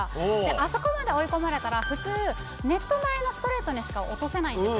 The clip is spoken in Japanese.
あそこまで追い込まれたら普通ネット前のストレートにしか落とせないんですよ。